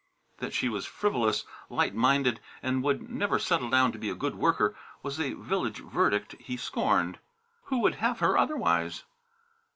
That she was frivolous, light minded, and would never settle down to be a good worker, was a village verdict he scorned. Who would have her otherwise?